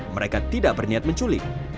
mereka tidak berniat menculik